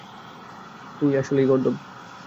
তোই আসলেই গর্দভ।